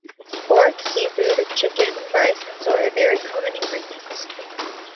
Pork, seafood, chicken, rice, and soy are very common ingredients.